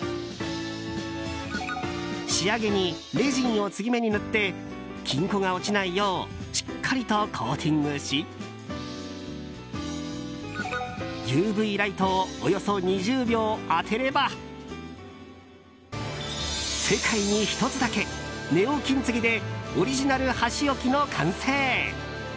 仕上げにレジンを継ぎ目に塗って金粉が落ちないようしっかりとコーティングしＵＶライトをおよそ２０秒当てれば世界に１つだけ、ネオ金継ぎでオリジナル箸置きの完成。